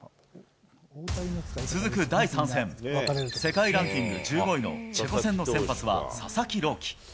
続く第３戦、世界ランキング１５位のチェコ戦の先発は佐々木朗希。